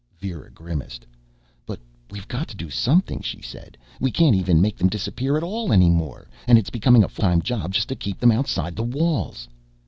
_" Vera grimaced. "But we've got to do something," she said. "We can't even make them disappear at all, any more. And it's becoming a full time job just to keep them outside the walls."